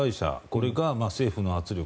これが政府の圧力